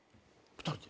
２人で？